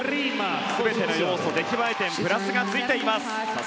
全ての要素、出来栄え点プラスがついています。